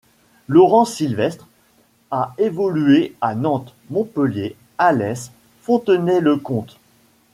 Laurent Silvestre a évolué à Nantes, Montpellier, Alès, Fontenay-le-Comte.